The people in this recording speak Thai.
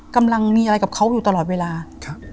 กำลังมีอะไรกับเขาอยู่ตลอดเวลาครับ